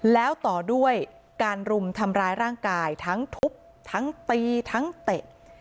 แล้วต่อด้วยการรุมทำร้ายร่างกายทั้งทุบทั้งตีทั้งเตะ